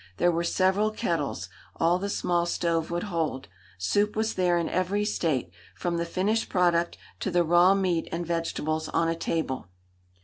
There were several kettles all the small stove would hold. Soup was there in every state, from the finished product to the raw meat and vegetables on a table.